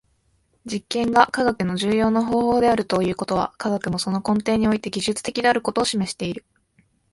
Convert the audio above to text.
実験が科学の重要な方法であるということは、科学もその根底において技術的であることを示している。